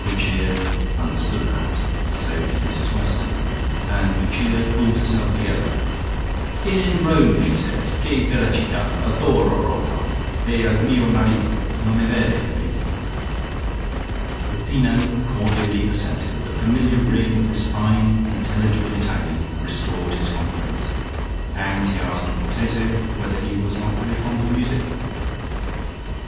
Lucia understood that: so did Mrs Weston, and Lucia pulled herself together. "In Rome," she said. "Che bella citta! Adoro Roma, e il mio marito. Non e vere, Peppino?" Peppino cordially assented: the familiar ring of this fine intelligible Italian restored his confidence, and he asked Cortese whether he was not very fond of music....